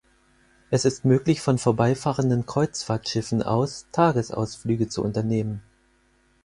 Es ist möglich, von vorbeifahrenden Kreuzfahrtschiffen aus Tagesausflüge zu unternehmen.